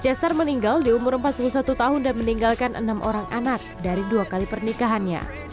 cesar meninggal di umur empat puluh satu tahun dan meninggalkan enam orang anak dari dua kali pernikahannya